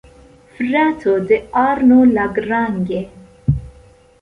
Frato de Arno Lagrange.